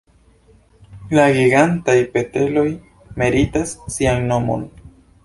La Gigantaj petreloj meritas sian nomon.